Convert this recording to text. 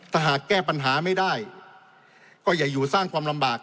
ถ้าหากแก้ปัญหาไม่ได้ก็อย่าอยู่สร้างความลำบาก